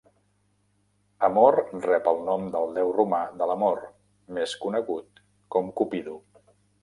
Amor rep el nom del déu romà de l'amor, més conegut com Cupido.